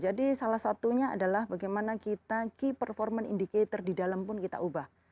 jadi salah satunya adalah bagaimana kita key performance indicator di dalam pun kita ubah